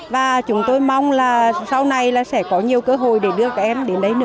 và chúng tôi mong là sau này sẽ có nhiều cơ hội để đưa các em